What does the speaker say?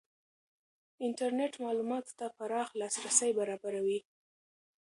انټرنېټ معلوماتو ته پراخ لاسرسی برابروي.